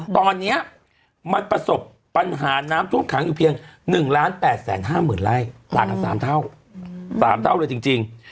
ตอนนี้มันประสบปัญหาน้ำท่วมขังอยู่เพียง๑๘๕๐๐๐ไร่ต่างกัน๓เท่า๓เท่าเลยจริง